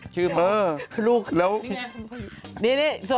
ชื่อพอลูกแล้วนี่ไงคุณพ่ออยู่